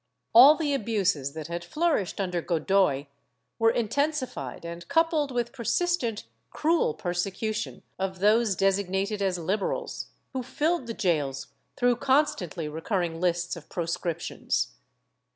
All the abuses that had flourished under Godoy were intensified and coupled with persist ent cruel persecution of those designated as Liberals, who filled the gaols through constantly recurring lists of proscriptions.